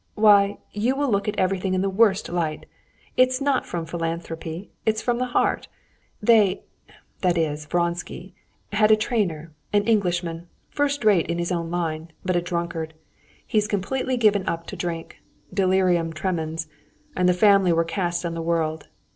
"Why, you will look at everything in the worst light. It's not from philanthropy, it's from the heart. They—that is, Vronsky—had a trainer, an Englishman, first rate in his own line, but a drunkard. He's completely given up to drink—delirium tremens—and the family were cast on the world.